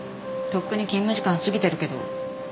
とっくに勤務時間過ぎてるけど。